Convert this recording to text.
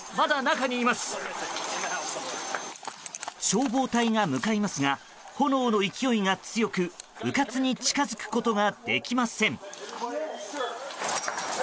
消防隊が向かいますが炎の勢いが強くうかつに近づくことができません。